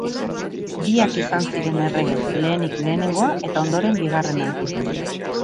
Biak izan ziren errege, lehenik lehenengoa eta ondoren bigarrena.